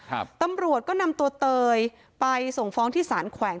ครับตำรวจก็นำตัวเตยไปส่งฟ้องที่สารแขวง